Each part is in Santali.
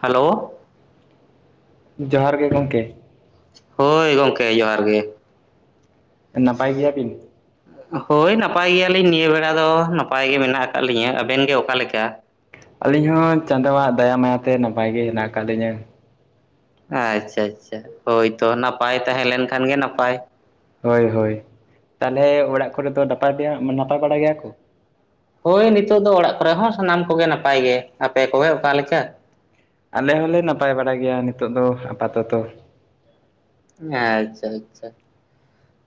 ᱦᱟᱞᱳ ᱡᱚᱦᱟᱨ ᱜᱮ ᱜᱚᱝᱠᱮ, ᱦᱳᱭ ᱜᱚᱝᱠᱮ ᱡᱚᱦᱟᱨ ᱜᱮ᱾ ᱱᱟᱯᱟᱭ ᱜᱮᱭᱟ ᱵᱤᱱ? ᱦᱳᱭ ᱱᱟᱯᱟᱭ ᱜᱮᱭᱟᱞᱤᱧ ᱱᱤᱭᱟᱹ ᱵᱮᱲᱟ ᱫᱚ ᱱᱟᱯᱟᱭ ᱜᱮ ᱢᱮᱱᱟᱜ ᱟᱠᱟᱫ ᱞᱤᱧᱟᱹ᱾ ᱟᱵᱮᱱ ᱜᱮ ᱚᱠᱟᱞᱮᱠᱟ? ᱟᱹᱞᱤᱧ ᱦᱚᱸ ᱪᱟᱸᱫᱳᱣᱟᱜ ᱫᱟᱭᱟ ᱢᱟᱭᱟᱛᱮ ᱱᱟᱯᱟᱭ ᱜᱮ ᱦᱮᱱᱟᱜ ᱟᱠᱟᱜ ᱞᱤᱧᱟᱹ᱾ ᱟᱪᱪᱷᱟ ᱟᱪᱪᱷᱟ ᱦᱳᱭᱛᱚ ᱱᱟᱯᱟᱭ ᱛᱟᱦᱮᱸ ᱞᱮᱱ ᱠᱷᱟᱱ ᱜᱮ ᱱᱟᱯᱟᱭ᱾ ᱦᱳᱭ ᱦᱳᱭ ᱛᱟᱦᱚᱞᱮ ᱚᱲᱟᱜ ᱠᱚᱨᱮ ᱫᱚ ᱱᱟᱯᱟᱭ ᱜᱮᱭᱟ ᱱᱟᱯᱟᱭ ᱵᱟᱲᱟ ᱜᱮᱭᱟ ᱠᱚ, ᱦᱳᱭ ᱱᱤᱛᱚᱜ ᱫᱚ ᱚᱲᱟᱜ ᱠᱚᱨᱮ ᱦᱚᱸ ᱥᱟᱱᱟᱢ ᱠᱚᱜᱮ ᱱᱟᱯᱟᱭ ᱜᱮ᱾ ᱟᱯᱮ ᱠᱚᱜᱮ ᱚᱠᱟ ᱞᱮᱠᱟ? ᱟᱞᱮ ᱦᱚᱸᱞᱮ ᱱᱟᱯᱟᱭ ᱵᱟᱰᱟ ᱜᱮᱭᱟ ᱱᱤᱛᱚᱜ ᱫᱚ ᱟᱯᱟᱛᱚᱛᱚ᱾ ᱮᱸ ᱟᱪᱪᱷᱟ ᱟᱪᱪᱷᱟ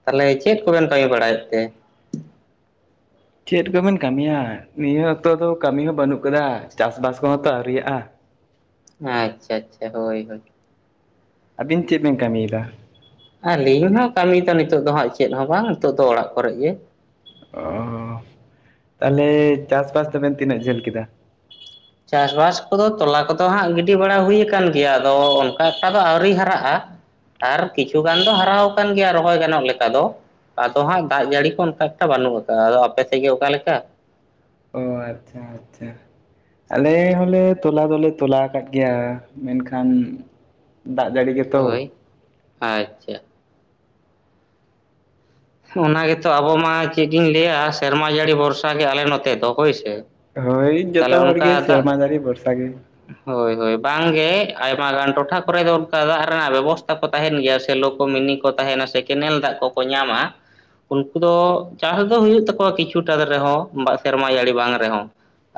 ᱛᱟᱞᱮ ᱪᱮᱫ ᱠᱚᱵᱮᱱ ᱠᱟᱹᱢᱤ ᱵᱟᱲᱟᱭᱮᱫ ᱛᱮ? ᱪᱮᱫ ᱠᱚᱵᱤᱱ ᱠᱟᱹᱢᱤᱭᱟ ᱱᱤᱭᱟᱹ ᱚᱠᱛᱚ ᱫᱚ ᱠᱟᱹᱢᱤ ᱦᱚᱸ ᱵᱟᱹᱱᱩᱜ ᱠᱟᱫᱟ ᱪᱟᱥ ᱵᱟᱥ ᱠᱚᱦᱚᱸ ᱛᱚ ᱟᱹᱣᱨᱤᱟᱜᱼᱟ᱾ ᱟᱪᱪᱷᱟ ᱟᱪᱪᱷᱟ ᱦᱳᱭ ᱦᱳᱭ᱾ ᱟᱹᱵᱤᱱ ᱪᱮᱫ ᱵᱤᱱ ᱠᱟᱹᱢᱤᱫᱟ? ᱟᱞᱤᱧ ᱦᱚᱸ ᱠᱟᱹᱢᱤᱫᱚ ᱱᱤᱛᱚᱜ ᱫᱚ ᱦᱟᱸᱜ ᱪᱮᱫ ᱦᱚᱸ ᱵᱟᱝ ᱱᱤᱛᱚᱜ ᱫᱚ ᱚᱲᱟᱜ ᱠᱚᱨᱮ ᱜᱮ᱾ ᱚ ᱦᱚ ᱛᱟᱞᱮ ᱪᱟᱥᱵᱟᱥ ᱛᱟᱵᱮᱱ ᱛᱤᱱᱟᱹᱜ ᱡᱷᱟᱹᱞ ᱠᱮᱫᱟ? ᱪᱟᱥᱵᱟᱥ ᱠᱚᱫᱚ ᱛᱚᱞᱟ ᱠᱚᱫᱚ ᱦᱟᱸᱜ ᱜᱤᱰᱤ ᱵᱟᱲᱟ ᱦᱩᱭ ᱠᱟᱱ ᱜᱤᱭᱟ ᱟᱫᱚ ᱚᱱᱠᱟ ᱮᱠᱴᱟ ᱫᱚ ᱟᱹᱣᱨᱤ ᱦᱟᱨᱟᱜᱼᱟ᱾ ᱟᱨ ᱠᱤᱪᱷᱩ ᱜᱟᱱ ᱫᱚ ᱦᱟᱨᱟᱣ ᱠᱟᱱ ᱜᱮᱭᱟ ᱨᱚᱦᱚᱭ ᱜᱟᱱᱚᱜ ᱞᱮᱠᱟ ᱫᱚ᱾ ᱟᱫᱚ ᱦᱟᱸᱜ ᱫᱟᱜᱽ ᱡᱟᱹᱲᱤ ᱠᱚ ᱚᱱᱠᱟᱮᱠᱴᱟ ᱵᱟᱹᱱᱩᱜ ᱠᱟᱜᱼᱟ ᱟᱫᱚ ᱟᱯᱮᱥᱮᱜ ᱜᱮ ᱚᱠᱟᱮᱠᱟ? ᱚ ᱟᱪᱪᱷᱟ ᱟᱪᱪᱷᱟ᱾ ᱟᱞᱮ ᱦᱚᱸᱞᱮ ᱛᱚᱞᱟ ᱫᱚᱞᱮ ᱛᱚᱞᱟ ᱟᱠᱟᱜ ᱜᱮᱭᱟ ᱢᱮᱱᱠᱷᱟᱱ, ᱫᱟᱜ ᱡᱟᱹᱲᱤ ᱜᱮᱛᱚ ᱦᱳᱭ ᱟᱪᱪᱷᱟ, ᱚᱱᱟ ᱜᱮᱛᱚ ᱟᱵᱚ ᱢᱟ ᱪᱮᱫ ᱤᱧ ᱞᱟᱹᱭᱟ ᱥᱮᱨᱢᱟ ᱡᱟᱹᱲᱤ ᱵᱷᱚᱨᱥᱟ ᱜᱮ ᱟᱞᱮ ᱱᱚᱛᱮ ᱫᱚ ᱦᱳᱭ ᱥᱮ᱾ ᱦᱳᱭ ᱛᱟᱦᱚᱞᱮ ᱡᱚᱛᱚ ᱦᱚᱲ ᱚᱱᱠᱟ ᱜᱮ ᱫᱟᱜ ᱥᱮᱨᱢᱟ ᱡᱟᱲᱤ ᱵᱚᱨᱥᱟ ᱜᱮ᱾ ᱦᱳᱭ ᱦᱳᱭ ᱵᱟᱝᱜᱮ ᱟᱭᱢᱟ ᱜᱟᱱ ᱴᱚᱴᱷᱟ ᱠᱚᱨᱮ ᱫᱚ ᱚᱱᱠᱟ ᱫᱚ ᱫᱟᱜᱽ ᱨᱮᱱᱟᱜ ᱵᱮᱵᱚᱥᱛᱷᱟ ᱠᱚ ᱛᱟᱦᱮᱱ ᱜᱮᱭᱟ ᱥᱮᱞᱳ ᱠᱚ ᱢᱤᱱᱤ ᱠᱚ ᱛᱟᱦᱮᱱᱟ ᱥᱮ ᱠᱮᱱᱮᱞ ᱫᱟᱜᱽ ᱠᱚᱠᱚ ᱧᱟᱢᱟ᱾ ᱩᱱᱠᱩ ᱫᱚ ᱪᱟᱥ ᱫᱚ ᱦᱩᱭᱩᱜ ᱛᱟᱠᱚᱣᱟ ᱠᱤᱪᱷᱩᱴᱟ ᱨᱮᱦᱚᱸ ᱵᱟ ᱥᱮᱨᱢᱟ ᱡᱟᱹᱲᱤ ᱵᱟᱝ ᱨᱮᱦᱚᱸ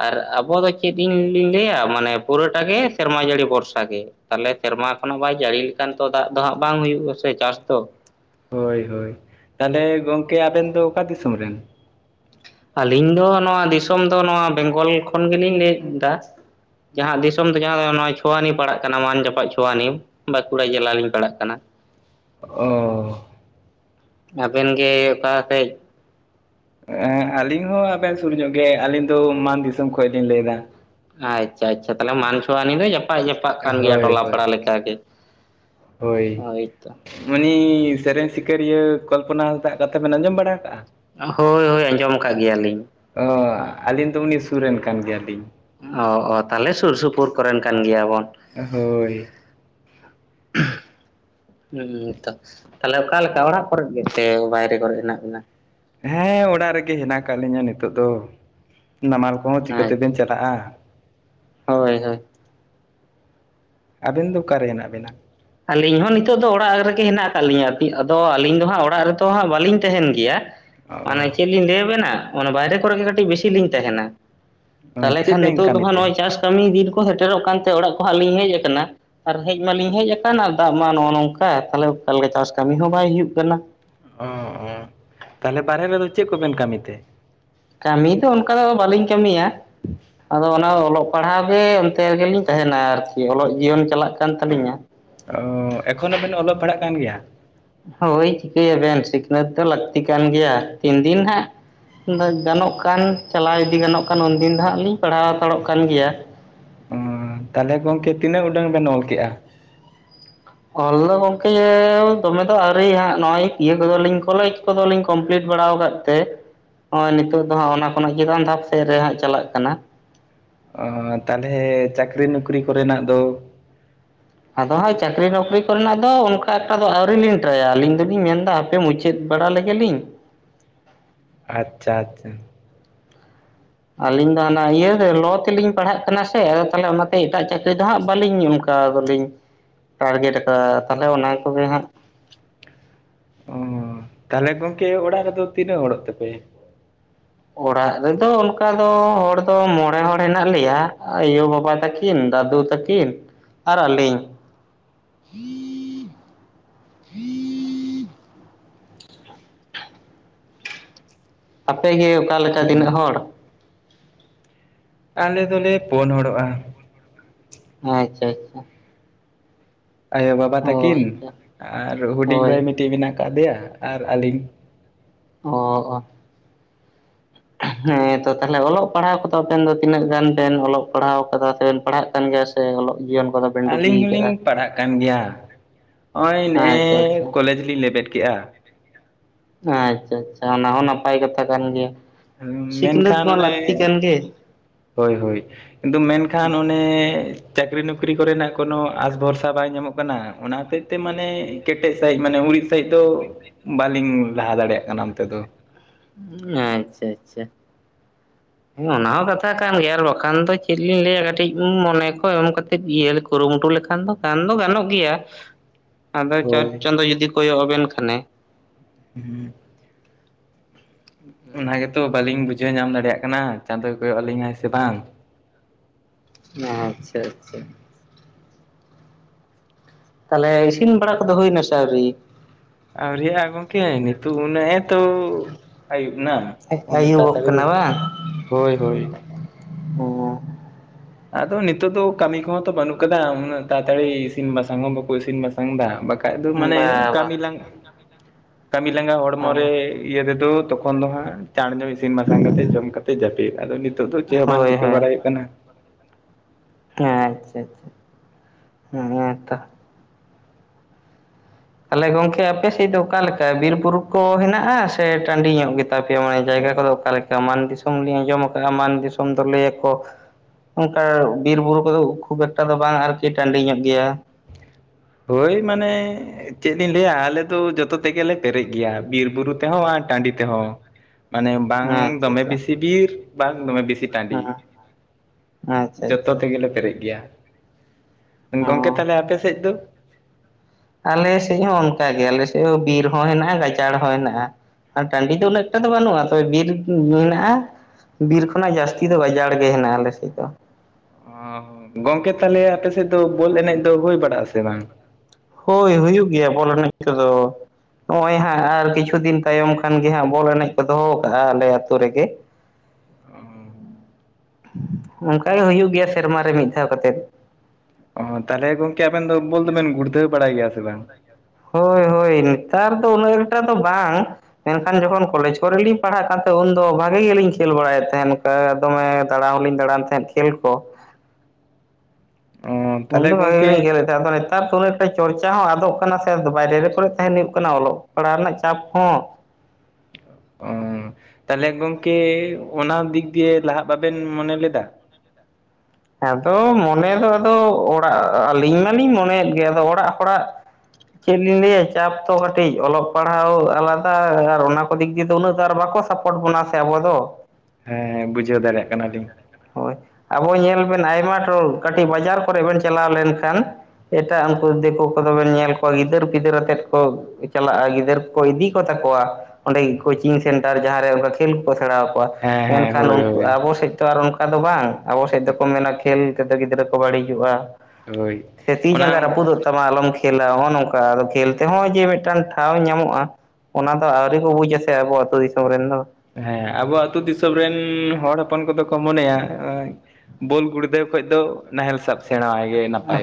ᱟᱨ ᱟᱵᱚ ᱫᱚ ᱪᱮᱫ ᱤᱧ ᱞᱤᱧ ᱞᱟᱹᱭᱟ ᱢᱟᱱᱮ ᱯᱩᱨᱟᱹᱴᱟ ᱜᱮ ᱥᱮᱨᱢᱟ ᱡᱟᱹᱲᱤ ᱵᱷᱚᱨᱥᱟ ᱜᱮ ᱛᱟᱞᱦᱮ ᱥᱮᱨᱢᱟ ᱠᱷᱚᱱᱚ ᱵᱟᱭ ᱡᱟᱹᱲᱤ ᱞᱤᱠᱷᱟᱱ ᱛᱚ ᱫᱟᱜ ᱫᱚ ᱦᱟᱸᱜ ᱵᱟᱝ ᱦᱩᱭᱩᱜᱼᱟ ᱥᱮ ᱪᱟᱥ ᱫᱚ ᱦᱳᱭ ᱦᱳᱭ ᱛᱟᱞᱦᱮ ᱜᱚᱝᱠᱮ ᱟᱵᱮᱱ ᱫᱚ ᱚᱠᱟ ᱫᱤᱥᱚᱢ ᱨᱮᱱ? ᱟᱹᱞᱤᱧ ᱫᱚ ᱱᱚᱣᱟ ᱫᱤᱥᱚᱢ ᱫᱚ ᱱᱚᱣᱟ ᱵᱮᱝᱜᱚᱞ ᱠᱷᱚᱱ ᱜᱮᱞᱤᱧ ᱞᱮᱹᱭᱮᱫᱟ ᱡᱟᱦᱟᱸ ᱫᱤᱥᱚᱢ ᱫᱚ ᱡᱟᱦᱟᱸ ᱫᱚ ᱱᱚᱣᱟ ᱪᱷᱚᱣᱟᱱᱤ ᱯᱟᱲᱟᱜ ᱠᱟᱱᱟ ᱢᱟᱱ ᱡᱟᱯᱟᱜ ᱪᱷᱳᱣᱟᱱᱤ ᱵᱟᱸᱠᱩᱲᱟ ᱡᱮᱞᱟ ᱞᱤᱧ ᱯᱟᱲᱟᱜ ᱠᱟᱱᱟ ᱚᱻ ᱟᱵᱮᱱ ᱜᱮ ᱚᱠᱟ ᱥᱮᱡ? ᱦᱮᱸ ᱟᱹᱞᱤᱧ ᱦᱚᱸ ᱟᱵᱮᱱ ᱥᱩᱨ ᱧᱚᱜ ᱜᱮ ᱟᱹᱞᱤᱧ ᱫᱚ ᱢᱟᱱ ᱫᱤᱥᱚᱢ ᱠᱷᱚᱡ ᱞᱤᱧ ᱞᱟᱹᱭ ᱫᱟ ᱟᱪᱪᱷᱟ ᱟᱪᱪᱷᱟ ᱛᱟᱞᱦᱮ ᱢᱟᱱ ᱪᱷᱚᱣᱟᱱᱤ ᱫᱚ ᱡᱟᱯᱟᱜ ᱡᱟᱯᱟᱜ ᱠᱟᱱ ᱜᱮᱭᱟ ᱦᱳᱭ ᱴᱚᱞᱟ ᱦᱳᱭ ᱯᱟᱲᱟ ᱞᱮᱠᱟᱜᱮ ᱦᱳᱭ ᱦᱳᱭᱛᱚ ᱩᱱᱤ ᱥᱮᱨᱮᱧ ᱥᱤᱠᱟᱹᱨᱤᱭᱟᱹ ᱠᱚᱞᱯᱚᱱᱟ ᱦᱟᱸᱥᱫᱟᱜᱴ ᱠᱟᱛᱷᱟ ᱵᱮᱱ ᱟᱸᱡᱚᱢ ᱵᱟᱲᱟ ᱟᱠᱟᱜᱼᱟ? ᱦᱳᱭ ᱦᱳᱭ ᱟᱸᱡᱚᱢ ᱟᱠᱟᱫ ᱜᱮᱭᱟᱞᱤᱧ। ᱚᱻ ᱟᱹᱞᱤᱧ ᱫᱚ ᱩᱱᱤ ᱥᱩᱨ ᱨᱮᱱ ᱠᱟᱱ ᱜᱮᱭᱟᱞᱤᱧ। ᱚ ᱚ ᱛᱟᱞᱦᱮ ᱥᱩᱨ ᱥᱩᱯᱩᱨ ᱠᱚᱨᱮᱱ ᱠᱟᱱ ᱜᱮᱭᱟ ᱵᱚᱱ। ᱦᱳᱭ। ᱦᱩᱸ ᱛᱚ। ᱛᱟᱞᱦᱮ ᱚᱠᱟ ᱞᱮᱠᱟ ᱚᱲᱟᱜ ᱠᱚᱨᱮᱜ ᱜᱮ ᱥᱮ ᱵᱟᱭᱨᱮ ᱠᱚᱨᱮ ᱦᱮᱱᱟᱜ ᱵᱮᱱᱟ? ᱦᱮᱸ ᱚᱲᱟᱜ ᱨᱮᱜᱮ ᱦᱮᱱᱟᱜ ᱟᱠᱟᱜ ᱞᱤᱧᱟᱹ ᱱᱤᱛᱚᱜ ᱫᱚ ᱱᱟᱢᱟᱞ ᱠᱚᱦᱚᱸ ᱪᱤᱠᱟᱹᱛᱮᱵᱤᱱ ᱪᱟᱞᱟᱜᱼᱟ। ᱦᱳᱭ ᱦᱳᱭ। ᱟᱵᱤᱱ ᱫᱚ ᱚᱠᱟᱨᱮ ᱦᱮᱱᱟᱜ ᱵᱤᱱᱟ। ᱟᱹᱞᱤᱧ ᱦᱚᱸ ᱱᱤᱛᱚᱜ ᱫᱚ ᱚᱲᱟᱜ ᱨᱮᱜᱮ ᱦᱮᱱᱟᱜ ᱟᱠᱟᱫ ᱞᱤᱧᱟᱹ ᱟᱫᱚ ᱟᱹᱞᱤᱧ ᱫᱚ ᱦᱟᱸᱜ ᱚᱲᱟᱜ ᱨᱮᱫᱚ ᱦᱟᱸᱜ ᱵᱟᱹᱞᱤᱧ ᱛᱟᱦᱮᱱ ᱜᱮᱭᱟ ᱢᱟᱱᱮ ᱚ ᱪᱮᱫ ᱞᱤᱧ ᱞᱟᱹᱭ ᱟᱵᱮᱱᱟ ᱚᱱᱟ ᱵᱟᱭᱨᱮ ᱠᱚᱨᱮᱜ ᱜᱮ ᱠᱟᱹᱴᱤᱡ ᱵᱮᱥᱤ ᱞᱤᱧ ᱛᱟᱦᱮᱱᱟ। ᱛᱟᱞᱦᱮ ᱪᱮᱫ ᱠᱷᱟᱱ ᱵᱮᱱ ᱱᱤᱛᱚᱜ ᱫᱚ ᱠᱟᱹᱢᱤ ᱦᱟᱸᱜ ᱛᱮ ᱱᱚᱜᱼᱚᱭ ᱪᱟᱥ ᱠᱟᱹᱢᱤ ᱫᱤᱱ ᱠᱚ ᱥᱮᱴᱮᱨᱚᱜ ᱠᱟᱱᱛᱮ ᱚᱲᱟᱜ ᱠᱚ ᱦᱟᱸᱜ ᱞᱤᱧ ᱦᱮᱡ ᱟᱠᱟᱱᱟ ᱟᱨ ᱦᱮᱡ ᱢᱟᱞᱤᱧ ᱦᱮᱡ ᱟᱠᱟᱱᱟᱼᱼ ᱚᱱᱠᱟᱱᱟᱜ ᱫᱟᱜ ᱢᱟ ᱱᱚᱜᱼᱚ ᱱᱚᱝᱠᱟ ᱛᱟᱦᱚᱞᱮ ᱚᱠᱟ ᱞᱮᱠᱟ ᱪᱟᱥ ᱠᱟᱹᱢᱤ ᱦᱚᱸ ᱵᱟᱭ ᱦᱩᱭᱩᱜ ᱠᱟᱱᱟ। ᱚ ᱚ ᱛᱟᱦᱚᱞᱮ ᱵᱟᱨᱦᱮ ᱨᱮᱫᱚ ᱪᱮᱫ ᱠᱚᱵᱮᱱ ᱠᱟᱹᱢᱤ ᱛᱮ? ᱠᱟᱹᱢᱤ ᱫᱚ ᱚᱱᱠᱟ ᱫᱚ ᱵᱟᱹᱞᱤᱧ ᱠᱟᱹᱢᱤᱭᱟ ᱟᱫᱚ ᱚᱱᱟ ᱚᱞᱚᱜ ᱯᱟᱲᱦᱟᱣ ᱜᱮ ᱚᱱᱛᱮ ᱨᱮᱜᱮᱞᱤᱧ ᱛᱟᱦᱮᱱᱟ ᱟᱨᱠᱤ ᱚᱞᱚᱜ ᱡᱤᱭᱚᱱ ᱪᱟᱞᱟᱜ ᱠᱟᱱ ᱛᱟᱹᱞᱤᱧᱟ। ᱚ ᱮᱠᱷᱚᱱᱚ ᱵᱮᱱ ᱚᱞᱚᱜ ᱯᱟᱲᱦᱟᱜ ᱠᱟᱱ ᱜᱮᱭᱟ? ᱦᱳᱭ ᱪᱤᱠᱟᱹᱭᱟᱵᱮᱱ ᱥᱤᱠᱷᱱᱟᱹᱛ ᱫᱚ ᱞᱟᱹᱠᱛᱤ ᱠᱟᱱ ᱜᱮᱭᱟ ᱛᱤᱱ ᱫᱤᱱ ᱦᱟᱸᱜ ᱜᱟᱱᱚᱜ ᱠᱟᱱ ᱪᱟᱞᱟᱣ ᱤᱫᱤ ᱜᱟᱱᱚᱜ ᱠᱟᱱ ᱩᱱᱫᱤᱱ ᱫᱚ ᱦᱟᱸᱜ ᱞᱤᱧ ᱯᱟᱲᱦᱟᱣ ᱦᱟᱛᱟᱲᱚᱜ ᱠᱟᱱ ᱜᱮᱭᱟ। ᱚ ᱛᱟᱞᱦᱮ ᱜᱚᱝᱠᱮ ᱛᱤᱱᱟᱹᱜ ᱩᱰᱟᱹᱝ ᱵᱮᱱ ᱚᱞ ᱠᱮᱜᱼᱟ? ᱚᱞ ᱫᱚ ᱜᱚᱝᱠᱮ ᱫᱚᱢᱮ ᱫᱚ ᱟᱹᱣᱨᱤ ᱦᱟᱸᱜ ᱱᱚᱜᱼᱚᱭ ᱤᱭᱟᱹ ᱠᱚᱫᱚᱞᱤᱧ ᱠᱚᱞᱮᱡ ᱠᱚᱫᱚᱞᱤᱧ ᱠᱚᱢᱯᱞᱤᱴ ᱵᱟᱲᱟᱣ ᱟᱠᱟᱫ ᱛᱮ, ᱱᱚᱜᱼᱚᱭ ᱱᱤᱛᱳᱜ ᱫᱚ ᱦᱟᱸᱜ ᱚᱱᱟ ᱠᱷᱚᱱᱟᱜ ᱪᱮᱛᱟᱱ ᱫᱷᱟᱯ ᱥᱮᱫ ᱨᱮ ᱦᱟᱸᱜ ᱪᱟᱞᱟᱜ ᱠᱟᱱᱟ। ᱚ ᱛᱟᱞᱦᱮ ᱪᱟᱹᱠᱨᱤ ᱱᱚᱠᱨᱤ ᱠᱚᱨᱮᱱᱟᱜ ᱫᱚ? ᱟᱫᱚ ᱦᱟᱸᱜ ᱪᱟᱹᱠᱨᱤ ᱱᱚᱠᱨᱤ ᱠᱚᱨᱮᱱᱟᱜ ᱫᱚ ᱚᱱᱠᱟ ᱮᱠᱴᱟ ᱫᱚ ᱟᱹᱣᱨᱤ ᱞᱤᱧ ᱴᱮᱨᱟᱭᱟ ᱟᱹᱞᱤᱧ ᱫᱚᱞᱤᱧ ᱢᱮᱱ ᱮᱫᱟ ᱦᱟᱯᱮ ᱢᱩᱪᱟᱹᱫ ᱪᱟᱹᱫ ᱵᱟᱲᱟ ᱞᱮᱜᱮ ᱞᱤᱧ ᱟᱪᱪᱷᱟ ᱟᱪᱪᱷᱟ ᱟᱹᱞᱤᱧ ᱫᱚ ᱦᱟᱱᱟ ᱤᱭᱟᱹ ᱨᱮ ᱞᱚ ᱛᱮᱞᱤᱧ ᱯᱟᱲᱦᱟᱜ ᱠᱟᱱᱟ ᱥᱮ ᱟᱫᱚ ᱛᱟᱞᱦᱮ ᱚᱱᱟᱛᱮ ᱮᱴᱟᱜ ᱪᱟᱹᱠᱨᱤ ᱫᱚ ᱦᱟᱸᱜ ᱵᱟᱹᱞᱤᱧ ᱫᱚᱞᱤᱧ ᱴᱟᱨᱜᱮᱴ ᱟᱠᱟᱫᱟ ᱛᱟᱞᱦᱮ ᱚᱱᱟ ᱠᱚᱜᱮ ᱦᱟᱸᱜ ᱚᱻ ᱛᱟᱞᱦᱮ ᱜᱚᱝᱠᱮ ᱚᱲᱟᱜ ᱨᱮᱫᱚ ᱛᱤᱱᱟᱹᱜ ᱦᱚᱲᱚᱜ ᱛᱮᱯᱮ? ᱚᱲᱟᱜ ᱨᱮᱫᱚ ᱚᱱᱠᱟ ᱫᱚ ᱦᱚᱲ ᱫᱚ ᱢᱚᱬᱮ ᱦᱚᱲ ᱦᱮᱱᱟᱜ ᱞᱮᱭᱟ ᱟᱭᱳ ᱵᱟᱵᱟ ᱛᱟᱹᱠᱤᱱ ᱫᱟᱫᱩ ᱛᱟᱹᱠᱤᱱ ᱠᱤᱱ ᱟᱨ ᱟᱹᱞᱤᱧ᱾ ᱟᱯᱮᱜᱮ ᱚᱠᱟᱮ ᱞᱮᱠᱟ ᱛᱤᱱᱟᱹᱜ ᱚ ᱦᱚᱲ? ᱟᱞᱮ ᱫᱚᱞᱮ ᱯᱳᱱ ᱦᱚᱲᱚᱜᱼᱟ᱾ ᱟᱪᱪᱷᱟ ᱟᱪᱪᱷᱟ ᱟᱭᱳ ᱵᱟᱵᱟ ᱛᱟᱹᱠᱤᱱ ᱦᱳᱭ ᱛᱚ ᱟᱨ ᱦᱩᱰᱤᱧ ᱦᱳᱭ ᱵᱷᱟᱹᱭ ᱢᱤᱫᱴᱤᱡ ᱢᱮᱱᱟᱜ ᱟᱠᱟᱫᱮᱭᱟ ᱟᱨ ᱟᱹᱞᱤᱧ᱾ ᱚ - ᱚ ᱦᱮᱸ ᱛᱚ ᱛᱟᱦᱚᱞᱮ ᱚᱞᱚᱜ ᱯᱟᱲᱦᱟᱣ ᱠᱚᱫᱚ ᱟᱵᱮᱱ ᱫᱚ ᱛᱤᱱᱟᱹᱜ ᱜᱟᱱ ᱵᱮᱱ ᱚᱞᱚᱜ ᱯᱟᱲᱦᱟᱣ ᱠᱟᱫᱟ ᱥᱮᱵᱮᱱ ᱯᱟᱲᱦᱟᱜ ᱠᱟᱱ ᱜᱮᱭᱟ? ᱥᱮ ᱚᱞᱚᱜ ᱡᱤᱭᱚᱱ ᱠᱚᱫᱚ ᱵᱮᱱ ᱟᱹᱞᱤᱧ ᱰᱩᱜᱤ ᱦᱚᱞᱤᱧ ᱠᱟᱜᱼᱟ ᱯᱟᱲᱦᱟᱜ ᱠᱟᱱ ᱜᱮᱭᱟ᱾ ᱱᱚᱜᱼᱚᱭ ᱱᱮᱜᱼᱮ ᱟᱪᱪᱷᱟ ᱟᱪᱪᱷᱟ ᱠᱚᱞᱮᱡ ᱞᱤᱧ ᱞᱮᱵᱮᱫ ᱠᱮᱫᱮᱜᱼᱟ᱾ ᱟᱪᱪᱷᱟ ᱟᱪᱪᱷᱟ ᱚᱱᱟ ᱦᱚᱸ ᱱᱟᱯᱟᱭ ᱠᱟᱛᱷᱟ ᱠᱟᱱ ᱜᱮᱭᱟ᱾ ᱥᱤᱠᱷᱱᱟᱹᱛ ᱢᱮᱱᱠᱷᱟᱱ ᱢᱟ ᱞᱟᱹᱠᱛᱤ ᱚᱱᱮ ᱠᱟᱱ ᱜᱮ᱾ ᱦᱳᱭ ᱦᱳᱭ ᱟᱫᱚ ᱢᱮᱱ ᱠᱷᱟᱱ ᱚᱱᱮ ᱪᱟᱹᱠᱨᱤ ᱱᱚᱠᱨᱤ ᱠᱚᱨᱮᱱᱟᱜ ᱠᱳᱱᱦᱳ ᱟᱥ ᱵᱷᱚᱨᱥᱟ ᱵᱟᱭ ᱧᱟᱢᱚᱜ ᱠᱟᱱᱟ ᱚᱱᱟ ᱛᱮ ᱛᱮ ᱢᱟᱱᱮ ᱠᱮᱴᱮᱡ ᱥᱟᱹᱦᱤᱡ ᱢᱟᱱᱮ ᱩᱨᱤᱡ ᱥᱟᱹᱤᱡ ᱫᱚ ᱵᱟᱹᱞᱤᱧ ᱞᱟᱦᱟ ᱫᱟᱲᱮᱭᱟᱜ ᱠᱟᱱᱟ ᱚᱱᱛᱮ ᱫᱚ᱾ ᱟᱪᱪᱷᱟ ᱟᱪᱪᱷᱟ ᱦᱚᱸ ᱚᱱᱟ ᱦᱚᱸ ᱠᱟᱛᱷᱟᱟᱜ ᱠᱟᱱ ᱜᱮᱭᱟ ᱟᱨ ᱵᱟᱠᱷᱟᱱ ᱫᱚ ᱪᱮᱫ ᱞᱤᱧ ᱞᱟᱹᱭᱟ ᱠᱟᱹᱴᱤᱡ ᱢᱚᱱᱮ ᱠᱚ ᱮᱢ ᱠᱟᱛᱮ ᱤᱭᱟᱹ ᱞᱮ ᱠᱩᱨᱩᱢᱩᱴᱩ ᱞᱮᱠᱷᱟᱱ ᱫᱚ ᱜᱟᱱ ᱫᱚ ᱜᱟᱱᱚᱜ ᱜᱮᱭᱟ᱾ [inaudible] ᱟᱫᱚ ᱪᱚᱴ ᱦᱳᱭ ᱪᱟᱸᱫᱚᱭ ᱡᱩᱫᱤ ᱠᱚᱭᱚᱜ ᱟᱵᱮᱱ ᱞᱮᱠᱷᱟᱱ ᱦᱩᱸ ᱚᱱᱟᱜᱮᱛᱚ ᱵᱟᱹᱞᱤᱧ ᱵᱩᱡᱷᱟᱹᱣ ᱧᱟᱢ ᱫᱟᱲᱮᱭᱟᱜ ᱠᱟᱱᱟ ᱪᱟᱸᱫᱚᱭ ᱠᱚᱭᱚᱜ ᱟᱹ ᱞᱞᱤᱧ ᱥᱮ ᱵᱟᱝ᱾ ᱟᱪᱪᱷᱟ ᱟᱪᱪᱷᱟ ᱛᱟᱦᱚᱞᱮ ᱤᱥᱤᱱ ᱵᱟᱲᱟ ᱠᱚᱫᱚ ᱦᱩᱭᱱᱟᱥᱮ ᱟᱹᱣᱨᱤ? ᱟᱣᱨᱤ ᱭᱟᱟ ᱜᱚᱝᱠᱮ ᱱᱤᱛᱚᱜ ᱩᱱᱟᱹᱜ ᱱᱮᱸ ᱮ ᱛᱚ ᱟᱹᱭᱩᱵ ᱱᱟ ᱚᱱᱟ ᱟᱹᱭᱩᱵᱚᱜ ᱠᱟᱱᱟ ᱵᱟᱝ [unintelligible] ᱦᱳᱭ ᱦᱳᱭ ᱟᱫᱚ ᱱᱤᱛᱚᱜ ᱫᱚ ᱠᱟᱹᱢᱤ ᱠᱚᱦᱚᱸ ᱛᱚ ᱵᱟᱹᱱᱩᱜ ᱟᱠᱟᱫᱟ ᱩᱱᱟᱹᱜ ᱛᱟᱲᱟᱛᱟᱲᱤ ᱤᱥᱤᱱ ᱵᱟᱥᱟᱝ ᱦᱚᱸ ᱵᱟᱠᱚ ᱤᱥᱤᱱ ᱵᱟᱥᱟᱝ ᱮᱫᱟ ᱵᱟᱠᱷᱟᱱ ᱟᱠᱷᱟᱡ ᱫᱚ ᱦᱮᱸ ᱢᱟᱱᱮ ᱵᱟ ᱵᱟ ᱠᱟᱹᱟᱢᱤᱞᱟ ᱠᱟᱹᱢᱤ ᱞᱟᱸᱝᱜᱟᱜᱟ ᱦᱚᱲᱢᱚ ᱨᱮ ᱦᱳᱭ ᱤᱭᱟᱹ ᱨᱮᱫᱚ ᱛᱚᱠᱷᱚᱱ ᱫᱚ ᱦᱟᱸᱜ ᱪᱟᱬᱡᱚᱜ ᱤᱥᱤᱱ ᱵᱟᱥᱟᱝ ᱠᱟᱛᱮ ᱡᱚᱢ ᱠᱟᱛᱮ ᱡᱟᱹᱯᱤᱫ ᱟᱫᱚ ᱱᱤᱛ ᱱᱤᱛᱚᱜ ᱫᱚ ᱪᱮᱫ ᱦᱚᱸ ᱵᱟᱝ ᱦᱳᱭ ᱪᱤᱠᱟᱹ ᱦᱳᱭ, ᱵᱟᱲᱟᱭᱮ ᱠᱟᱱᱟ᱾ ᱟᱪᱪᱷᱟ ᱟᱪᱪᱷᱟ ᱦᱮᱸ ᱛᱚ᱾ ᱛᱟᱦᱚᱞᱮ ᱜᱚᱝᱠᱮ ᱟᱯᱮ ᱥᱮᱫ ᱫᱚ ᱚᱠᱟ ᱞᱮᱠᱟ ᱵᱤᱨ ᱵᱩᱨᱩ ᱠᱚ ᱦᱮᱱᱟᱜᱼᱟ ᱥᱮ ᱴᱟᱺᱰᱤ ᱧᱚᱜ ᱜᱮ ᱛᱟᱯᱮᱭᱟ ᱢᱟᱱᱮ ᱡᱟᱭᱜᱟ ᱠᱚᱫᱚ ᱚᱠᱟ ᱞᱮᱠᱟ? ᱢᱟᱱ ᱫᱤᱥᱚᱢ ᱞᱤᱧ ᱟᱸᱡᱚᱢ ᱟᱠᱫᱼᱟ ᱢᱟᱱ ᱫᱤᱥᱚᱢ ᱫᱚ ᱞᱟᱹ ᱟᱠᱚ ᱚᱱᱠᱟ ᱵᱤᱨ ᱵᱩᱨᱩ ᱠᱚᱫᱚ ᱠᱷᱩᱵ ᱮᱠᱴᱟ ᱫᱚ ᱵᱟᱝ ᱟᱨᱠᱤ ᱴᱟᱺᱰᱤ ᱧᱚᱜ ᱜᱮᱭᱟ᱾ ᱦᱳᱭ ᱢᱟᱱᱮ ᱪᱮᱫ ᱤᱧ ᱞᱟᱹᱭᱟ ᱟᱞᱮ ᱫᱚ ᱡᱚᱛᱚ ᱛᱮᱜᱮᱞᱮ ᱯᱮᱨᱮᱡ ᱜᱮᱭᱟ ᱵᱤᱨ ᱵᱩᱨᱩ ᱛᱮᱦᱚᱸ ᱴᱟᱺᱰᱤ ᱛᱮᱦᱚᱸ ᱢᱟᱱᱮ ᱵᱟᱝ ᱟᱪᱪᱷᱟ ᱫᱚᱢᱮ ᱟᱪᱪᱷᱟ ᱵᱮᱥᱤ ᱵᱤᱨ ᱵᱟᱝ ᱫᱚᱢᱮ ᱵᱮᱥᱤ ᱴᱟᱺᱰᱤ ᱦᱮᱸ ᱟᱪᱪᱷᱟ ᱡᱚᱛᱚ ᱟᱪᱪᱷᱟ ᱛᱮᱜᱮᱞᱮ ᱯᱮᱨᱮᱡ ᱜᱮᱭᱟ᱾ ᱜᱚᱝᱠᱮ ᱚ ᱛᱟᱦᱞᱮ ᱟᱯᱮ ᱥᱮᱫ ᱫᱚ? ᱟᱞᱮᱥᱮᱫ ᱦᱚᱸ ᱚᱱᱠᱟ ᱜᱮ ᱟᱞᱮ ᱥᱮᱫ ᱦᱚᱸ ᱵᱤᱨ ᱦᱚᱸ ᱦᱮᱱᱟᱜᱼᱟ ᱜᱟᱡᱟᱲ ᱦᱚᱸ ᱦᱮᱱᱟᱜᱼᱟ ᱾ ᱟᱨ ᱴᱟᱺᱰᱤ ᱫᱚ ᱩᱱᱟᱹᱜᱚᱴᱟ ᱫᱚ ᱵᱟᱹᱱᱩᱜᱼᱟ ᱛᱚᱵᱮ ᱵᱤᱨ ᱢᱮᱱᱟᱜᱼᱟ ᱾ ᱵᱤᱨ ᱠᱷᱚᱱᱟᱜ ᱡᱟᱹᱥᱛᱤ ᱫᱚ ᱵᱟᱡᱟᱲ ᱜᱮ ᱦᱮᱱᱟᱜᱼᱟ ᱟᱞᱮᱮᱥᱮᱫ ᱫᱚ᱾ ᱚ ᱦᱚᱸ ᱜᱚᱝᱠᱮ ᱛᱟᱦᱚᱞᱮ ᱟᱯᱮ ᱥᱮᱫ ᱫᱚ ᱵᱚᱞ ᱮᱱᱮᱡ ᱫᱚ ᱦᱩᱭ ᱵᱟᱲᱟᱜᱼᱟ ᱥᱮ ᱵᱟᱝ? ᱦᱳᱭ ᱦᱩᱭᱩᱜ ᱜᱮᱭᱟ ᱵᱚᱞ ᱮᱱᱮᱡ ᱠᱚᱫᱚ ᱱᱚᱜᱼᱚᱭ ᱦᱟᱸᱜ ᱟᱨ ᱠᱤᱪᱷᱩ ᱫᱤᱱ ᱛᱟᱭᱚᱢ ᱠᱷᱟᱱ ᱜᱮ ᱦᱟᱸᱜ ᱵᱚᱞ ᱮᱱᱮᱡ ᱠᱚ ᱫᱚᱦᱚ ᱠᱟᱜᱼᱟ ᱟᱞᱮ ᱟᱛᱳ ᱨᱮᱜᱮ᱾ ᱚ ᱚᱱᱠᱟ ᱜᱮ ᱦᱩᱭᱩᱜ ᱜᱮᱭᱟ ᱥᱮᱨᱢᱟ ᱨᱮ ᱢᱤᱫ ᱫᱷᱟᱣ ᱠᱟᱛᱮ᱾ ᱚ ᱛᱟᱦᱚᱞᱮ ᱜᱚᱝᱠᱮ ᱟᱵᱮᱱ ᱫᱚ ᱵᱚᱞ ᱫᱚᱵᱮᱱ ᱜᱩᱲᱫᱟᱹᱣ ᱵᱟᱲᱟᱭ ᱜᱮᱭᱟ ᱥᱮ ᱵᱟᱝ? ᱦᱳᱭ ᱦᱳᱭ ᱱᱮᱛᱟᱨ ᱫᱚ ᱩᱱᱟᱹᱜ ᱮᱠᱴᱟ ᱫᱚ ᱵᱟᱝ᱾ ᱢᱮᱱᱠᱷᱟᱱ ᱡᱚᱠᱷᱚᱱ ᱠᱚᱞᱮᱡᱽ ᱠᱚᱨᱮ ᱞᱤᱧ ᱯᱟᱲᱦᱟᱜ ᱠᱟᱱ ᱛᱟᱦᱮᱸ ᱩᱱᱫᱚ ᱵᱷᱟᱜᱮ ᱜᱮᱞᱤᱧ ᱠᱷᱮᱞ ᱵᱟᱲᱟᱭᱮᱫ ᱛᱟᱦᱮᱱ ᱱᱚᱠᱟ᱾ ᱫᱚᱢᱮ ᱫᱟᱬᱟ ᱦᱚᱸᱞᱤᱧ ᱫᱟᱲᱟᱱ ᱛᱟᱦᱮᱸᱫ ᱠᱷᱮᱞ ᱠᱚ᱾ ᱚ ᱩᱱ ᱛᱟᱦᱚᱞᱮ ᱫᱚ ᱵᱷᱟᱜᱮ ᱜᱚᱝᱠᱮ ᱜᱮᱞᱤᱧ ᱠᱷᱮᱞ ᱟᱫᱚ ᱱᱮᱛᱟᱨ ᱫᱚ ᱩᱱᱟᱹᱜᱴᱟ ᱪᱚᱨᱪᱟ ᱦᱚᱸ ᱟᱫᱚᱜ ᱠᱟᱱᱟ ᱥᱮ ᱵᱟᱭᱨᱮ ᱨᱮ ᱠᱚᱨᱮ ᱛᱟᱦᱮᱱ ᱦᱩᱭᱩᱜ ᱠᱟᱱᱟ ᱚᱞᱚᱜ ᱯᱟᱲᱦᱟᱜ ᱨᱮᱱᱟᱜ ᱪᱟᱯ ᱦᱚᱸ᱾ ᱚ ᱛᱟᱦᱚᱞᱮ ᱜᱚᱝᱠᱮ ᱚᱱᱟ ᱫᱤᱠ ᱫᱤᱭᱮ ᱞᱟᱦᱟᱜ ᱵᱟᱵᱮᱱ ᱢᱚᱱᱮ ᱞᱮᱫᱟ? ᱟᱫᱚ ᱢᱚᱱᱮ ᱫᱚ ᱟᱫᱚ ᱚᱲᱟᱜ ᱟᱹᱞᱤᱧ ᱢᱟᱞᱤᱧ ᱢᱚᱱᱮᱭᱮᱫ ᱜᱮ ᱟᱫᱚ ᱚᱲᱟᱜ ᱦᱚᱲᱟᱜ᱾ ᱪᱮᱫ ᱞᱤᱧ ᱞᱟᱹᱭᱟ ᱪᱟᱯ ᱫᱚ ᱠᱟᱹᱴᱤᱡ ᱚᱞᱚᱜ ᱯᱟᱲᱦᱟᱣ ᱟᱞᱟᱫᱟ ᱟᱨ ᱚᱱᱟ ᱠᱚ ᱫᱤᱠ ᱫᱤᱭᱮ ᱫᱚ ᱩᱱᱟᱹᱜ ᱫᱚ ᱟᱨ ᱵᱟᱠᱚ ᱵᱟᱠᱚ ᱥᱟᱯᱚᱴ ᱵᱚᱱᱟ ᱥᱮ ᱟᱵᱚ ᱫᱚ᱾ ᱦᱮᱸ ᱵᱩᱡᱷᱟᱹᱣ ᱫᱟᱨᱮᱭᱟᱜ ᱠᱟᱱᱟᱞᱤᱧ᱾ ᱦᱳᱭ ᱟᱵᱚ ᱧᱮᱞ ᱵᱮᱱ ᱟᱭᱢᱟ ᱴᱨᱚᱞ ᱠᱟᱹᱴᱤᱡ ᱵᱟᱡᱟᱨ ᱠᱚᱨᱮ ᱵᱮᱱ ᱪᱟᱞᱟᱣ ᱞᱮᱱᱠᱷᱟᱱ ᱮᱴᱟᱜ ᱩᱱᱠᱩ ᱫᱤᱠᱩ ᱠᱚᱫᱚᱵᱮᱱ ᱧᱮᱞ ᱠᱚᱣᱟ ᱜᱤᱫᱟᱹᱨ ᱯᱤᱫᱟᱹᱨ ᱟᱛᱮᱫ ᱠᱚ ᱪᱟᱞᱟᱜᱼᱟ ᱜᱤᱫᱟᱹᱨ ᱠᱚᱠᱚ ᱤᱫᱤ ᱠᱚᱛᱟᱠᱚᱣᱟ ᱚᱸᱰᱮ ᱠᱳᱪᱤᱝ ᱥᱮᱱᱴᱟᱨ ᱡᱟᱦᱟᱸᱨᱮ ᱚᱱᱠᱟ ᱠᱷᱮᱞ ᱠᱚ ᱥᱮᱬᱟᱣᱟᱠᱚᱣᱟ ᱦᱮᱸ ᱦᱮᱸ ᱢᱮᱱᱠᱷᱟᱱ ᱦᱳᱭ ᱩᱱᱠᱩ ᱦᱳᱭ ᱟᱵᱚ ᱥᱮᱫ ᱛᱚ ᱟᱨ ᱚᱱᱠᱟ ᱫᱚ ᱵᱟᱝ ᱟᱵᱚ ᱥᱮᱫ ᱫᱚ ᱢᱮᱱᱟ ᱠᱚ ᱢᱮᱱᱟ ᱠᱷᱮᱞ ᱛᱮᱫᱚ ᱜᱤᱫᱽᱨᱟᱹ ᱠᱚ ᱵᱟᱹᱲᱤᱡᱚᱜᱼᱟ, ᱦᱳᱭ ᱥᱮ ᱛᱤ ᱚᱱᱟ ᱡᱟᱸᱜᱟ ᱨᱟᱹᱯᱩᱫᱚᱜ ᱾ ᱛᱟᱢᱟ ᱟᱞᱚᱢ ᱠᱷᱮᱞᱟ ᱱᱚᱜᱼᱚ ᱱᱚᱝᱠᱟ ᱟᱫᱚ ᱠᱷᱮᱞ ᱛᱮᱦᱚᱸ ᱡᱮ ᱢᱤᱫᱴᱟᱝ ᱴᱷᱟᱶ ᱧᱟᱢᱚᱜᱼᱟ᱾ ᱚᱱᱟ ᱫᱚ ᱟᱹᱣᱨᱤ ᱠᱚ ᱵᱩᱡᱟ ᱥᱮ ᱟᱵᱚ ᱟᱹᱛᱩ ᱫᱤᱥᱚᱢ ᱨᱮᱱ ᱫᱚ᱾ ᱦᱮᱸ ᱟᱵᱚ ᱟᱹᱛᱩ ᱫᱤᱥᱚᱢ ᱨᱮᱱ ᱦᱚᱲ ᱦᱚᱯᱚᱱ ᱠᱚᱫᱚ ᱠᱚ ᱢᱚᱱᱮᱭᱟ ᱵᱳᱞ ᱜᱩᱲᱫᱟᱹᱣ ᱠᱷᱚᱡ ᱫᱚ ᱱᱟᱦᱮᱞ ᱥᱟᱵ ᱥᱮᱬᱟᱟᱭ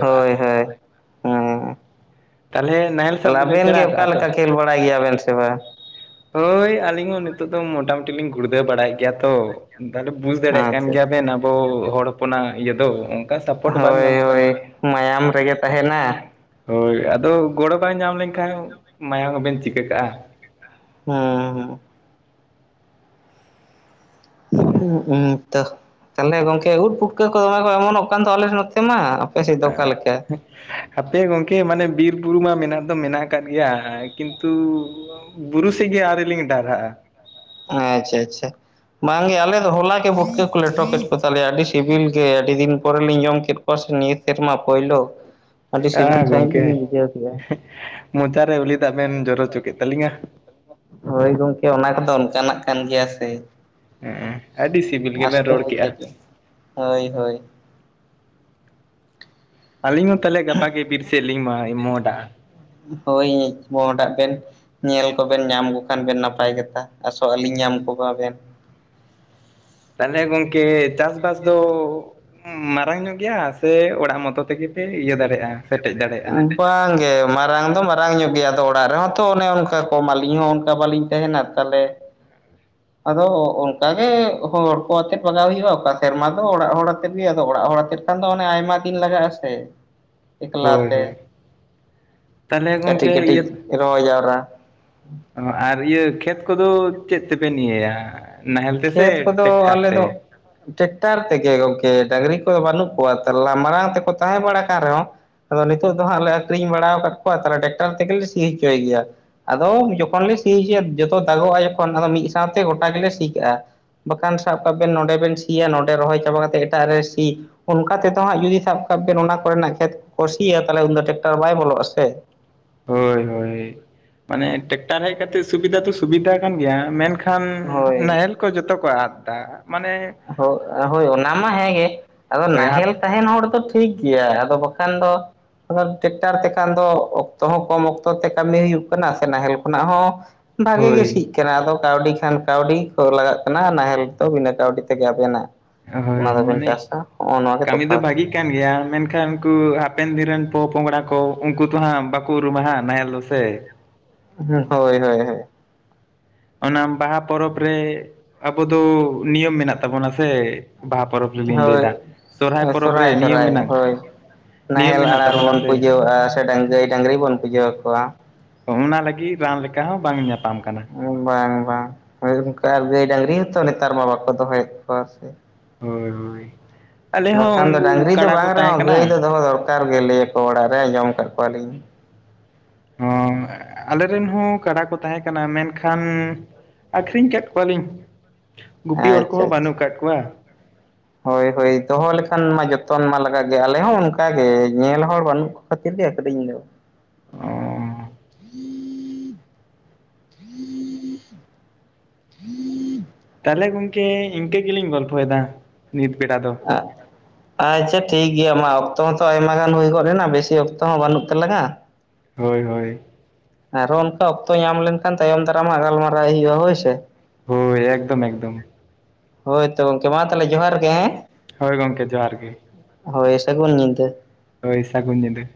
ᱦᱳᱭ ᱦᱳᱭ᱾ ᱛᱟᱦᱚᱞᱮ ᱱᱟᱦᱮᱞ ᱥᱟᱵ ᱛᱟᱦᱚᱞᱮ ᱫᱚᱵᱮᱱ ᱟᱵᱮᱱ ᱥᱮᱬᱟ ᱜᱮ ᱚᱠᱟ ᱟᱠᱟᱜᱼᱟ ᱛᱚ? ᱞᱮᱠᱟ ᱠᱷᱮᱞ ᱵᱟᱲᱟᱭ ᱜᱮᱭᱟᱵᱮᱱ ᱥᱮ ᱵᱟᱝ? ᱦᱳᱭ ᱟᱹᱞᱤᱧ ᱦᱚᱸ ᱱᱤᱛᱳᱜ ᱫᱚ ᱢᱚᱴᱟᱢᱩᱴᱤ ᱞᱤᱧ ᱜᱩᱲᱫᱟᱹᱣ ᱵᱟᱲᱟᱭᱮᱫ ᱜᱮᱭᱟ ᱛᱚ᱾ ᱛᱟᱦᱞᱮ ᱵᱩᱡ ᱫᱟᱲᱮᱭᱟᱜ ᱠᱟᱱ ᱟᱪᱪᱷᱟ ᱜᱮᱭᱟ ᱟᱪᱪᱷᱟ ᱵᱮᱱ ᱟᱵᱚ ᱦᱚᱲ ᱦᱚᱯᱚᱱᱟᱜ ᱤᱭᱟᱹ ᱫᱚ᱾ ᱠᱟᱱ ᱥᱟᱯᱳᱴ ᱵᱟᱝ ᱦᱳᱭ ᱧᱟᱢᱚᱜ ᱠᱟᱱᱟ᱾ ᱦᱳᱭ ᱢᱟᱭᱟᱢ ᱨᱮᱜᱮ ᱛᱟᱦᱮᱱᱟ ᱦᱳᱭ ᱟᱫᱚ ᱜᱚᱲᱚ ᱵᱟᱝ ᱧᱟᱢ ᱞᱮᱱᱠᱷᱟᱱ ᱢᱟᱭᱟᱢ ᱦᱚᱸᱵᱮᱱ ᱪᱤᱠᱟᱹ ᱠᱟᱜᱼᱟ᱾ ᱦᱚᱸ ᱦᱚᱸ᱾ ᱦᱩ ᱛᱚ ᱛᱟᱦᱞᱮ ᱜᱚᱢᱠᱮ ᱩᱱ ᱯᱷᱩᱴᱠᱟᱹ ᱠᱚ ᱫᱚᱢᱮ ᱠᱚ ᱚᱢᱚᱱᱚᱜ ᱠᱟᱱ ᱫᱚ ᱟᱞᱮ ᱥᱮᱫ ᱢᱟ ᱟᱯᱮ ᱥᱮᱫ ᱫᱚ ᱚᱠᱟ ᱞᱮᱠᱟ? ᱦᱟᱯᱮ ᱜᱚᱝᱠᱮ ᱢᱟᱱᱮ ᱵᱤᱨ ᱵᱩᱨᱩ ᱢᱟ ᱢᱮᱱᱟᱜ ᱫᱚ ᱢᱮᱱᱟᱜ ᱟᱠᱟᱫ ᱜᱮᱭᱟ ᱠᱤᱱᱛᱩ ᱵᱩᱨᱩ ᱥᱤᱜ ᱜᱤ ᱟᱨᱤᱞᱤᱧ ᱰᱟᱨᱦᱟᱜᱼᱟ᱾ ᱟᱪᱪᱷᱟ ᱟᱪᱪᱷᱟ ᱵᱟᱝᱜᱮ ᱟᱞᱮ ᱫᱚ ᱦᱚᱞᱟ ᱜᱮ ᱯᱩᱴᱠᱟᱹ ᱠᱚ ᱞᱮᱴ ᱠᱮᱫ ᱠᱚ᱾ ᱛᱟᱦᱚᱞᱮ ᱟᱹᱰᱤ ᱥᱤᱵᱤᱞ ᱜᱮ ᱟᱹᱰᱤ ᱫᱤᱱ ᱯᱚᱨᱮ ᱞᱤᱧ ᱡᱚᱢ ᱠᱮᱫ ᱠᱚᱣᱟ ᱥᱮ ᱱᱤᱭᱟᱹ ᱥᱮᱨᱢᱟ ᱯᱳᱭᱞᱳ᱾ ᱟᱹᱰᱤ ᱟ ᱥᱤᱵᱤᱞ ᱥᱟᱺᱦᱤᱡ ᱜᱚᱢᱠᱮ ᱜᱮᱞᱤᱧ ᱵᱩᱡᱷᱟᱹᱣ ᱠᱮᱜᱼᱟ ᱢᱚᱪᱟᱨᱮ ᱩᱞᱤ ᱫᱟᱜ ᱵᱮᱱ ᱡᱚᱨᱚ ᱦᱚᱪᱚ ᱠᱮᱫ ᱛᱟᱞᱤᱧᱟ᱾ ᱦᱳᱭ ᱜᱚᱝᱠᱮ ᱚᱱᱟ ᱠᱚᱫᱚ ᱚᱱᱠᱟᱱᱟᱜ ᱠᱟᱱ ᱜᱮᱭᱟ ᱥᱮ᱾ ᱦᱮᱸ ᱟᱹᱰᱤ ᱥᱤᱵᱤᱞ ᱟᱸᱥ ᱜᱮᱵᱮᱱ ᱫᱚ ᱨᱚᱲ ᱠᱮᱜᱼᱟ᱾ ᱵᱩᱡᱷᱟᱹᱜ ᱜᱮ ᱦᱳᱭ ᱦᱳᱭ᱾ ᱟᱹᱞᱤᱧ ᱦᱚᱸ ᱛᱟᱦᱚᱞᱮ ᱜᱟᱯᱟᱜ ᱜᱮ ᱵᱤᱨ ᱥᱮᱫ ᱞᱤᱧ ᱢᱟ ᱢᱚᱦᱰᱟᱜ-ᱟ᱾ ᱦᱳᱭ ᱢᱳᱰᱟᱜ ᱵᱮᱱ᱾ ᱧᱮᱞ ᱠᱚᱵᱮᱱ ᱧᱟᱢ ᱠᱚ ᱠᱷᱟᱱ ᱵᱮᱱ ᱱᱟᱯᱟᱭ ᱠᱟᱛᱷᱟ ᱟᱥᱚᱜ ᱟᱹᱞᱤᱧ ᱧᱟᱢ ᱠᱚᱣᱟᱵᱮᱱ᱾ ᱛᱟᱦᱚᱞᱮ ᱜᱚᱝᱠᱮ ᱪᱟᱥᱵᱟᱥ ᱫᱚ? ᱢᱟᱨᱟᱝ ᱧᱚᱜ ᱜᱮᱭᱟ ᱥᱮ ᱚᱲᱟᱜ ᱢᱚᱛᱚ ᱛᱮᱜᱮ ᱯᱮ ᱤᱭᱟᱹ ᱫᱟᱲᱮᱭᱟᱜᱼᱟ ᱥᱮᱴᱮᱡ ᱫᱟᱲᱮᱭᱟᱜᱼᱟ? ᱵᱟᱝᱜᱮ ᱢᱟᱨᱟᱝ ᱫᱚ ᱢᱟᱨᱟᱝ ᱧᱚᱜ ᱜᱮᱭᱟ ᱟᱫᱚ ᱚᱲᱟᱜ ᱨᱮᱦᱚᱸ ᱛᱚ ᱚᱱᱮ ᱚᱱᱠᱟ ᱠᱚᱢ ᱟᱹᱞᱤᱧ ᱦᱚᱸ ᱚᱱᱠᱟ ᱵᱟᱞᱤᱧ ᱛᱟᱦᱮᱱᱟ ᱛᱟᱦᱚᱞᱮ [inaudible] ᱟᱫᱚ ᱚᱱᱠᱟᱜᱮ ᱦᱚᱲ ᱠᱚ ᱟᱛᱮᱫ ᱵᱟᱜᱟᱣ ᱦᱩᱭᱩᱜᱼᱟ, ᱚᱠᱟ ᱥᱮᱨᱢᱟ ᱫᱚ ᱚᱲᱟᱜ ᱦᱚᱲ ᱟᱛᱮᱫ ᱜᱮ ᱟᱫᱚ ᱚᱲᱟᱜ ᱦᱚᱲ ᱟᱛᱮᱫ᱾ ᱠᱷᱟᱱ ᱫᱚ ᱚᱱᱮ ᱟᱭᱢᱟ ᱫᱤᱱ ᱞᱟᱜᱟᱜᱼᱟ ᱥᱮ ᱦᱳᱭ ᱮᱠᱞᱟᱛᱮ ᱦᱳᱭ ᱛᱟᱦᱚᱞᱮ ᱠᱟᱹᱴᱤᱡ ᱜᱚᱝᱠᱮ ᱠᱟᱹᱴᱤᱡ ᱤᱭᱟᱹ ᱨᱚᱦᱚᱭ ᱡᱟᱣᱨᱟ ᱟᱨ ᱤᱭᱟᱹ ᱠᱷᱮᱛ ᱠᱚᱫᱚ ᱪᱮᱫ ᱛᱮᱵᱮᱱ ᱤᱭᱟᱹᱭᱟ ᱱᱟᱦᱮᱞ ᱛᱮᱥᱮ ᱠᱷᱮᱛ ᱠᱚᱫᱚ ᱴᱮᱠᱴᱟᱨ ᱟᱞᱮ ᱛᱮ᱾ ᱫᱚ ᱴᱮᱠᱴᱟᱨ ᱛᱮᱜᱮ ᱜᱚᱢᱠᱮ ᱰᱟᱺᱝᱨᱤ ᱠᱚ ᱵᱟᱹᱱᱩᱜ ᱠᱚᱣᱟ ᱛᱟᱦ ᱢᱟᱨᱟᱝ ᱛᱮᱠᱚ ᱛᱟᱦᱮᱸ ᱵᱟᱲᱟ ᱠᱟᱱ ᱨᱮᱦᱚᱸ ᱟᱫᱚ ᱱᱤᱛᱚᱜ ᱫᱚ ᱦᱟᱸᱜ ᱞᱮ ᱟᱠᱷᱨᱤᱧ ᱵᱟᱲᱟ ᱟᱠᱟᱫ ᱠᱚᱣᱟ ᱛᱟᱦᱚᱞᱮ ᱴᱮᱠᱴᱟᱨ ᱛᱮᱜᱮᱞᱮ ᱥᱤ ᱦᱚᱪᱚᱭ ᱜᱮᱭᱟ ᱟᱫᱚ ᱡᱚᱠᱷᱚᱱ ᱞᱮ ᱥᱤ ᱦᱚᱪᱚᱭᱟ ᱡᱚᱛᱚ ᱫᱟᱜᱚᱜᱼᱟ ᱡᱚᱠᱷᱚᱱ ᱟᱫᱚ ᱢᱤᱫ ᱥᱟᱶᱛᱮ ᱜᱚᱴᱟ ᱜᱮᱞᱮ ᱥᱤ ᱠᱟᱜᱼᱟ ᱵᱟᱠᱷᱟᱱ ᱥᱟᱵ ᱠᱟᱜ ᱵᱮᱱ ᱱᱚᱰᱮ ᱵᱮᱱ ᱥᱤᱭᱟ ᱱᱚᱰᱮ ᱨᱚᱦᱚᱭ ᱪᱟᱵᱟ ᱠᱟᱛᱮ ᱮᱴᱟᱜ ᱨᱮ ᱥᱤ ᱚᱱᱠᱟ ᱛᱮᱫᱚ ᱦᱟᱸᱜ ᱡᱩᱫᱤ ᱥᱟᱵ ᱠᱟᱜ ᱵᱮᱱ ᱚᱱᱟ ᱠᱚᱨᱮᱱᱟᱜ ᱠᱷᱮᱛ ᱠᱚᱥᱤᱭᱟ ᱛᱟᱦᱞᱮ ᱩᱱ ᱫᱚ ᱴᱮᱠᱴᱟᱨ ᱵᱟᱭ ᱵᱚᱞᱚᱜᱼᱟ ᱥᱮ᱾ ᱦᱳᱭ ᱦᱳᱭ ᱢᱟᱱᱮ ᱴᱮᱠᱴᱟᱨ ᱦᱮᱡ ᱠᱟᱛᱮ ᱥᱩᱵᱤᱫᱟ ᱫᱚ ᱥᱩᱵᱤᱫᱟ ᱟᱠᱟᱱ ᱜᱮᱭᱟ ᱢᱮᱱ ᱠᱷᱟᱱ ᱦᱳᱭ ᱱᱟᱦᱮᱞ ᱠᱚ ᱡᱚᱛᱚ ᱠᱚ ᱟᱫ ᱫᱟ ᱢᱟᱱᱮ ᱦᱳᱜ ᱦᱳᱭ ᱚᱱᱟ ᱢᱟ ᱦᱮᱸᱜᱮ ᱟᱫᱚ ᱦᱳᱭ ᱦᱟᱯ ᱱᱟᱦᱮᱞ ᱛᱟᱦᱮᱱ ᱦᱚᱲ ᱫᱚ ᱴᱷᱤᱠ ᱜᱮᱭᱟ ᱟᱫᱚ ᱵᱟᱠᱷᱟᱱ ᱫᱚ ᱵᱟᱠᱷᱟᱱ ᱴᱮᱠᱴᱟᱨ ᱛᱮᱠᱷᱟᱱ ᱫᱚ ᱚᱠᱛᱚ ᱦᱚᱸ ᱠᱚᱢ ᱚᱠᱛᱚ ᱛᱮ ᱠᱟᱹᱢᱤ ᱦᱩᱭᱩᱜ ᱠᱟᱱᱟ ᱥᱮ ᱱᱟᱦᱮᱞ ᱠᱷᱚᱱᱟᱜ ᱦᱚᱸ ᱵᱷᱟᱜᱮ ᱜᱮ ᱦᱳᱭ ᱥᱤᱜ ᱠᱟᱱᱟ ᱟᱫᱚ ᱠᱟᱹᱣᱰᱤ ᱠᱷᱟᱱ ᱠᱟᱹᱣᱰᱤ ᱞᱟᱜᱟᱜ ᱠᱟᱱᱟ ᱱᱟᱦᱮᱞ ᱫᱚ ᱵᱤᱱᱟᱹ ᱠᱟᱹᱣᱰᱤ ᱛᱮ᱾ ᱛᱮᱜᱮ ᱟᱵᱮᱱᱟᱜ ᱚᱱᱟ ᱦᱳᱭ ᱫᱚᱵᱤᱱ ᱢᱟᱱᱮ ᱪᱟᱥᱟ ᱦᱚᱜᱼᱚ ᱱᱚ ᱜᱮ ᱠᱟᱹᱢᱤ ᱫᱚ ᱛᱚᱯᱷᱟᱛ᱾ ᱵᱷᱟᱜᱤᱜ ᱠᱟᱱ ᱜᱮᱭᱟ ᱢᱮᱱᱠᱷᱟᱱ ᱩᱱᱠᱩ ᱦᱟᱯᱮᱱ ᱫᱤᱱ ᱨᱮᱱ ᱯᱚᱼᱯᱚᱝᱲᱟ ᱠᱚ ᱩᱱᱠᱩ ᱫᱚ ᱦᱟᱸᱜ ᱵᱟᱠᱚ ᱩᱨᱩᱢᱟ ᱦᱟᱸᱜ ᱱᱟᱦᱮᱞ ᱫᱚ ᱥᱮ᱾ ᱦᱳᱭ ᱦᱳᱭ ᱦᱳᱭ᱾ ᱚᱱᱟ ᱵᱟᱦᱟ ᱯᱚᱨᱚᱵᱽ ᱨᱮ ᱟᱵᱚ ᱫᱚ ᱱᱤᱭᱚᱢ ᱢᱮᱱᱟᱜ ᱛᱟᱵᱚᱱᱟ ᱥᱮ ᱵᱟᱦᱟ ᱯᱚᱨᱚᱵᱽ ᱨᱮᱞᱤᱧ ᱞᱟᱹᱭ ᱦᱳᱭ ᱫᱟ ᱥᱚᱨᱦᱟᱭ ᱯᱚᱨᱚᱵᱽ ᱨᱮ ᱥᱚᱦᱨᱟᱭ ᱥᱚ ᱱᱤᱭᱚᱢ ᱥᱩᱨᱟᱭ ᱢᱮᱱᱟᱜ ᱦᱳᱭ᱾ ᱱᱤᱭᱚᱢ ᱱᱟᱦᱮᱞ ᱢᱮᱱᱟᱜ ᱟᱬᱟᱨ ᱛᱟᱵᱚᱱᱟ ᱵᱚᱱ ᱯᱩᱡᱟᱹ ᱥᱮ ᱟᱜᱼᱟ ᱥᱮ ᱰᱟᱝ ᱜᱟᱹᱭ ᱰᱟᱹᱝᱨᱤ ᱵᱚᱱ ᱯᱩᱡᱟᱹ ᱦᱳᱭ ᱟᱠᱚᱣᱟ ᱚᱱᱟ ᱞᱟᱹᱜᱤᱫ ᱨᱟᱱ ᱞᱮᱠᱟ ᱦᱚᱸ ᱵᱟᱝ ᱧᱟᱯᱟᱢ ᱠᱟᱱᱟ᱾ ᱵᱟᱝ ᱵᱟᱝ ᱦᱚᱭ ᱚᱱᱠᱟ ᱟᱨ ᱜᱟᱹᱭ ᱰᱟᱹᱟᱝᱨᱤ ᱦᱚᱸᱛᱚ ᱱᱮᱛᱟᱨ ᱢᱟ ᱵᱟᱠᱚ ᱫᱚᱦᱚᱭᱮᱫ ᱠᱚᱣᱟ ᱥᱮ᱾ ᱦᱳᱭ ᱦᱳᱭ ᱟᱞᱮ ᱦᱚᱸ ᱵᱟᱠᱷᱟᱱ ᱫᱚ ᱩᱱᱠᱩ ᱰᱝᱨᱤ ᱫᱚ ᱠᱟᱰᱟ ᱠᱚ ᱵᱟᱝ ᱛᱟᱦᱮᱸ ᱨᱮᱦᱚᱸ ᱠᱟᱱᱟ ᱜᱟᱹᱭ ᱫᱚ ᱫᱚᱦᱚ ᱫᱚᱨᱠᱟᱨ ᱜᱮ, ᱞᱟᱹᱭᱟᱠᱚ ᱚᱲᱟᱜ ᱨᱮ ᱟᱸᱡᱚᱢ ᱟᱠᱟᱫ ᱠᱚᱣᱟᱞᱤᱧ᱾ ᱦᱚᱸ ᱟᱞᱮᱨᱮᱱ ᱦᱚᱸ ᱠᱟᱰᱟ ᱠᱚ ᱛᱟᱦᱮᱸ ᱠᱟᱱᱟ ᱢᱮᱱᱠᱷᱟᱱ ᱟᱠᱷᱨᱤᱧ ᱠᱟᱜ ᱠᱚᱣᱟᱞᱤᱧ, ᱜᱩᱯᱤ ᱦᱚᱲ ᱟᱪᱪᱷᱟ ᱠᱚᱦᱚᱸ ᱵᱟᱹᱱᱩᱜ ᱟᱪᱪᱷᱟ ᱠᱟᱜ ᱠᱚᱣᱟ ᱦᱳᱭ ᱦᱳᱭ ᱫᱚᱦᱚ ᱞᱮᱠᱷᱟᱱ ᱢᱟ ᱡᱚᱛᱚᱱ ᱢᱟ ᱞᱟᱜᱟᱜ ᱜᱮ, ᱟᱞᱮ ᱦᱚᱸ ᱚᱱᱠᱟᱜ ᱜᱮ ᱧᱮᱞ ᱦᱚᱲ ᱵᱟᱹᱱᱩᱜ ᱠᱷᱟ. ᱛᱤᱨ ᱜᱮ ᱟ. ᱠᱷᱤᱨᱤᱧ ᱫᱚ ᱚᱸ ᱛᱟᱦᱚᱞᱮ ᱜᱚᱝᱠᱮ ᱤᱱᱠᱟᱹ ᱜᱮᱞᱤᱧ ᱜᱚᱞᱯᱷᱚᱭᱫᱟ ᱱᱤᱛ ᱵᱮᱲᱟ ᱫᱚ᱾ ᱟᱸᱜ ᱟᱪᱷᱟ ᱴᱷᱤᱠ ᱜᱮᱭᱟ ᱢᱟ ᱚᱠᱛᱚ ᱦᱚᱸᱛᱚ ᱟᱭᱢᱟ ᱜᱟᱱ ᱦᱩᱭ ᱜᱚᱫ ᱮᱱᱟ, ᱵᱮᱥᱤ ᱚᱠᱛᱚ ᱦᱚᱸ ᱵᱟᱹᱱᱩᱜ ᱛᱟᱞᱟᱝᱼᱟ᱾ ᱦᱳᱭ ᱦᱳᱭ ᱟᱨᱚ ᱚᱱᱠᱟ ᱚᱠᱛᱚ ᱧᱟᱢ ᱞᱮᱱᱠᱷᱟᱱ ᱛᱟᱭᱚᱢ ᱫᱟᱨᱟᱢ ᱦᱟᱜ ᱜᱟᱞᱢᱟᱨᱟᱣ ᱦᱩᱭᱩᱜᱼᱟ ᱦᱳᱭ ᱥᱮ᱾ ᱦᱳᱭ ᱮᱠᱫᱚᱢ ᱮᱠᱫᱚᱢ ᱦᱳᱭ ᱛᱚ ᱜᱚᱝᱠᱮ ᱢᱟ ᱛᱟᱦᱚᱞᱮ ᱡᱚᱦᱟᱨ ᱜᱮ ᱦᱮᱸ, ᱦᱳᱭ ᱜᱚᱝᱠᱮ ᱡᱚᱦᱟᱨ ᱜᱮ᱾ ᱦᱳᱭ ᱥᱟ‌. ᱜᱩᱱ ᱧᱤᱫᱟᱹ᱾ ᱦᱳᱭ ᱥᱟᱹᱜᱩᱱ ᱧᱤᱫᱟᱹ